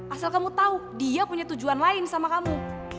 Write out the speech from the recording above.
asal kamu tahu dia punya tujuan lain sama kamu